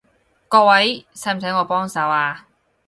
各位，使唔使我幫手啊？